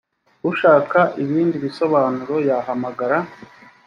ushaka ibindi bisobanuro yahamagara